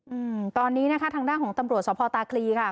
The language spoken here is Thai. อืมตอนนี้นะคะทางด้านของตำรวจสภตาคลีค่ะ